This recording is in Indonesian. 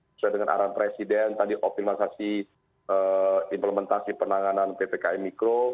sesuai dengan arahan presiden tadi optimalisasi implementasi penanganan ppkm mikro